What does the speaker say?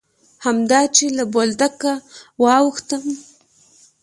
همدا چې له بولدکه واوښتم.